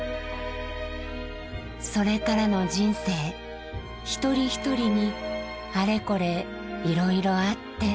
それからの人生一人一人にあれこれいろいろあって。